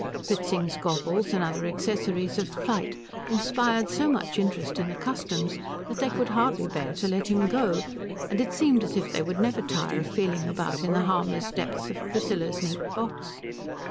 Fritzing's goggles and other accessories of flight inspired so much interest in the customs that they could hardly bear to let him go and it seemed as if they would never tire of feeling about in the harmless depths of Priscilla's neat box.